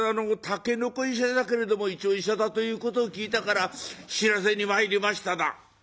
たけのこ医者だけれども一応医者だということを聞いたから知らせに参りましただ」。